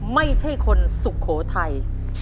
ไม่ใช่คนสุโขทัย